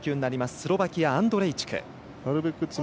スロバキア、アンドレイチク。